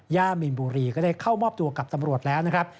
ย่ามีนบุรีก็ได้เข้ามอบตัวกับตำรวจแล้วนะครับ